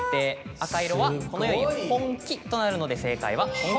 赤色はこのように「本き」となるので。